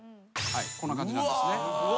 こんな感じなんですね。